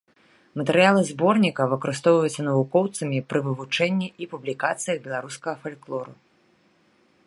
Матэрыялы зборніка выкарыстоўваюцца навукоўцамі пры вывучэнні і публікацыях беларускага фальклору.